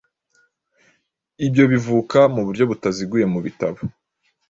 ibyo bivuka mu buryo butaziguye mubitabo